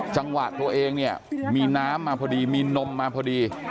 จังหวัดตัวเองนี่มีน้ำมาพอดีมีนมมาพอดี